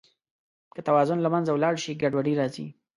که توازن له منځه ولاړ شي، ګډوډي راځي.